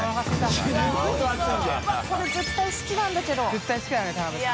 絶対好きだね田辺さん。